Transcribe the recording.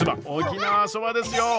沖縄そばですよ！